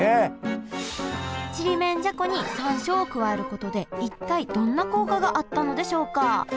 ちりめんじゃこに山椒を加えることで一体どんな効果があったのでしょうか？